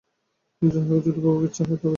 যা হোক, যদি প্রভুর ইচ্ছা হয় তবেই হবে।